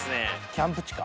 キャンプ地か。